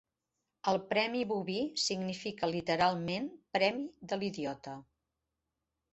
El premi Bubi significa literalment "premi de l'idiota".